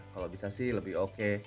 kalau bisa sih lebih oke